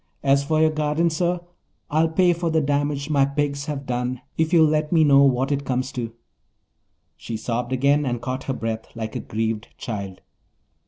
As for your garden, sir. I'll pay for the damage my pigs have done if you'll let me know what it comes to." She sobbed again and caught her breath like a grieved child.